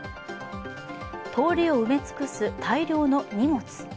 通りを埋め尽くす大量の荷物。